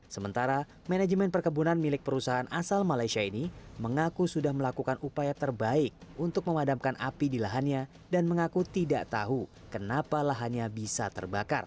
sementara manajemen perkebunan milik perusahaan asal malaysia ini mengaku sudah melakukan upaya terbaik untuk memadamkan api di lahannya dan mengaku tidak tahu kenapa lahannya bisa terbakar